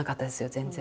全然。